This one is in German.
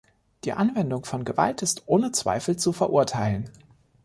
Die Anwendung von Gewalt ist ohne Zweifel zu verurteilen.